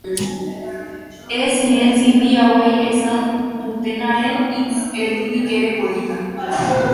Ez sinetsi bi hauei esan dutenaren hitz erdirik ere, polita.